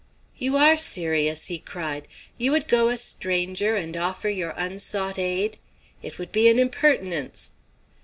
"You are serious!" he cried. "You would go a stranger and offer your unsought aid? It would be an impertinence."